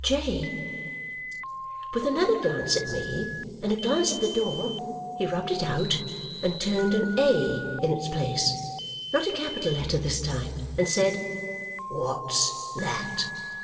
"J." With another glance at me, and a glance at the door, he rubbed it out and turned an "a" in its place (not a capital letter this time), and said, "What's that?"